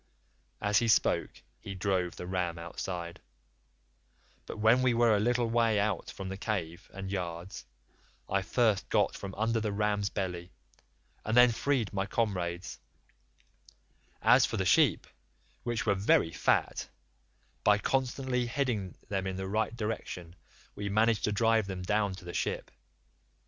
"As he spoke he drove the ram outside, but when we were a little way out from the cave and yards, I first got from under the ram's belly, and then freed my comrades; as for the sheep, which were very fat, by constantly heading them in the right direction we managed to drive them down to the ship.